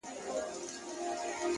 o څومره بلند دی،